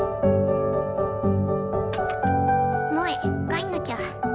萌帰んなきゃ。